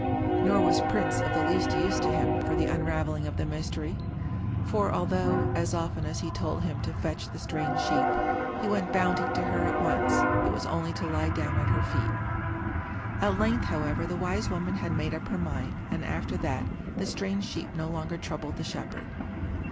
Nor was Prince of the least use to him for the unravelling of the mystery; for although, as often as he told him to fetch the strange sheep, he went bounding to her at once, it was only to lie down at her feet. At length, however, the wise woman had made up her mind, and after that the strange sheep no longer troubled the shepherd.